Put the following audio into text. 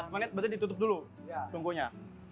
lima menit berarti ditutup dulu tungkunya